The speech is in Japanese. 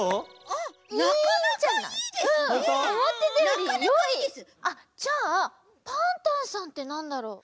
あっじゃあパンタンさんってなんだろう？